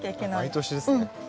毎年ですね。